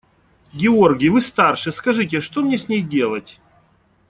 – Георгий, вы старше, скажите, что мне с ней делать?